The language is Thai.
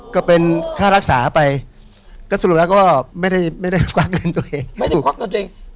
ก็เป็นค่ารักษาไปก็สรุปนั้นก็ไม่ได้ความเงินตัวเอง